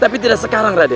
tapi tidak sekarang rai